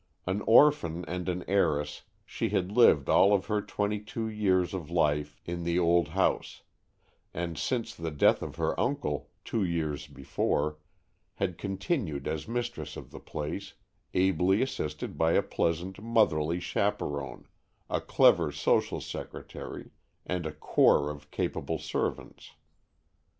An orphan and an heiress, she had lived all of her twenty two years of life in the old house, and since the death of her uncle, two years before, had continued as mistress of the place, ably assisted by a pleasant, motherly chaperon, a clever social secretary, and a corps of capable servants.